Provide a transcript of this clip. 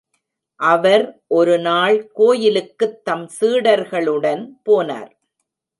அவர் ஒரு நாள் கோயிலுக்குத் தம் சீடர்களுடன் போனார்.